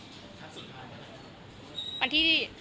ครั้งสุดท้ายกันอะไรครับ